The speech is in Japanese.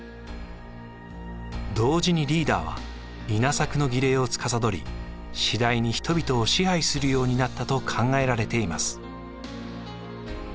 同時にリーダーは稲作の儀礼をつかさどり次第に人々を支配するようになったと考えられています。